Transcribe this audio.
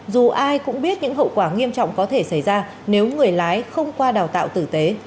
dù ai cũng biết những hậu quả nghiêm trọng có thể xảy ra nếu người lái không qua đào tạo tử tế